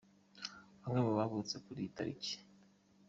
Bamwe mu bavutse kuri iyi tariki.